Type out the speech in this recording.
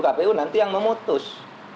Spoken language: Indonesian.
kpu nanti yang memutus